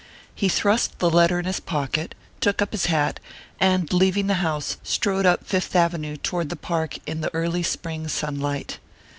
He thrust the letter in his pocket, took up his hat, and leaving the house, strode up Fifth Avenue toward the Park in the early spring sunlight.